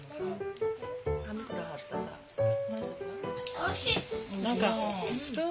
おいしい。